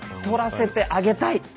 取らせてあげたい！